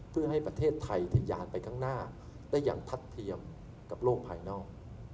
เพื่อให้ประเทศไทยทะยานไปข้างหน้าได้อย่างทัดเทียมกับโลกภายนอก